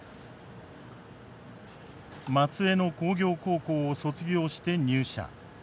松江の工業高校を卒業して入社。